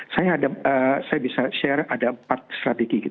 saya bisa share ada empat strategi